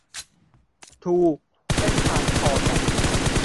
ถูก เส้นวิภาก็พอกัน